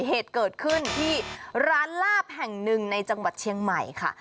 เหตุเกิดขึ้นที่ร้านลาบแห่งหนึ่งในจังหวัดเชียงใหม่ค่ะ